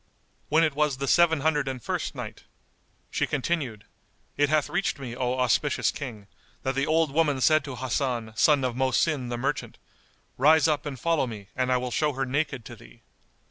When it was the Seven Hundred and First Night, She continued, It hath reached me, O auspicious King, that the old woman said to Hasan, son of Mohsin the merchant, "Rise up and follow me, and I will show her naked to thee."